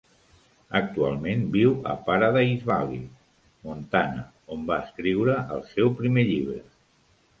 Actualment viu a Paradise Valley, Montana, on va escriure el seu primer llibre.